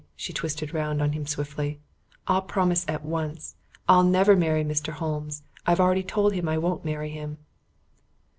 She twisted round on him swiftly. "I'll promise at once. I'll never marry Mr. Holmes. I've already told him I won't marry him."